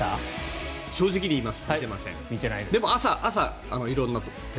正直に言います。